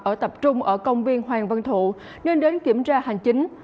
ở tập trung ở công viên hoàng văn thụ nên đến kiểm tra hành chính